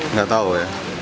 nggak tahu ya